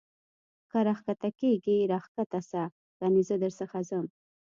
که را کښته کېږې را کښته سه کنې زه در څخه ځم.